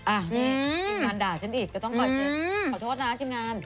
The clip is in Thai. ยิ้มงานด่าฉันอีกก็ต้องก่อยขอโทษนะกิจงาน